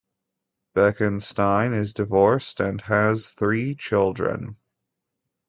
Beckenstein is divorced and has three children.